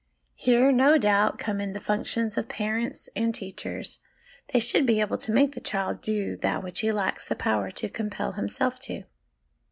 Here, no doubt, come in the functions of parents and teachers ; they should 100 HOME EDUCATION be able to make the child do that which he lacks the power to compel himself to.